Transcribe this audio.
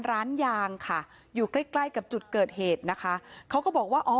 ร้านยางค่ะอยู่ใกล้ใกล้กับจุดเกิดเหตุนะคะเขาก็บอกว่าอ๋อ